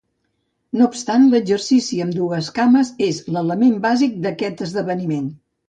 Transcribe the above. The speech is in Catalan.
No obstant, l"exercici amb dues cames és l"element bàsic d"aquest esdeveniment.